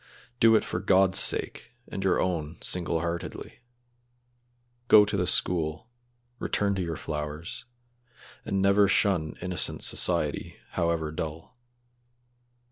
Do it for God's sake and your own single heartedly. Go to the school, return to your flowers, and never shun innocent society, however dull.